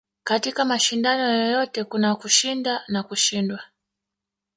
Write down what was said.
katika mashindano yoyote kuna kushinda na kushindwa